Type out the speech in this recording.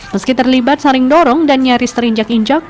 meski terlibat saling dorong dan nyaris terinjak injak